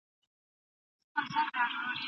ښه ذهنیت ژوند نه ځنډوي.